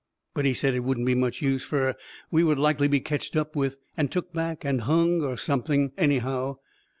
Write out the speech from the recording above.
But he said it wouldn't be much use, fur we would likely be ketched up with and took back and hung or something, anyhow.